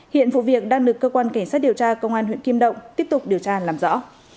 hiện vụ việc đang được cơ quan cảnh sát điều tra công an huyện kim động tiếp tục điều tra làm rõ